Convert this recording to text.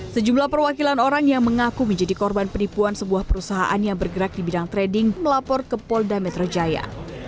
sejumlah perwakilan orang yang mengaku menjadi korban penipuan sebuah perusahaan yang bergerak di bidang trading melapor ke polda metro jaya